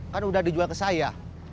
kan udah dijual ke saya